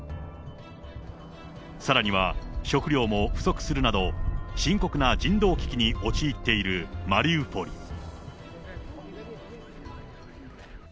さらには、食料も不足するなど、深刻な人道危機に陥っているマリウポリ。